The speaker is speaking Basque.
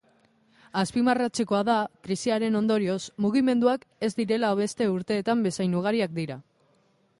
Azpimarratzekoa da krisiaren ondorioz, mugimenduak ez direla beste urteetan bezain ugariak dira.